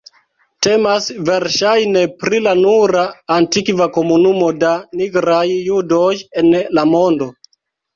Temas verŝajne pri la nura antikva komunumo da nigraj judoj en la mondo.